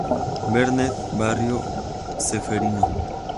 Vernet, Barrio Ceferino.